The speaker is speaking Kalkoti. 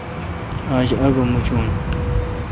آج آگہ موچون۔